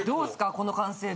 この完成度。